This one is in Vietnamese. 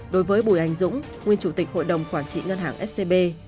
đối với bùi anh dũng nguyên chủ tịch hội đồng quản trị ngân hàng scb